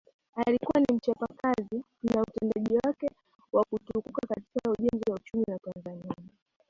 Alikuwa ni mchapakazi na utendaji wake wa kutukuka katika ujenzi wa uchumi wa Tanzania